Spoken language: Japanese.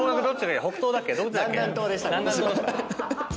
南南東でした。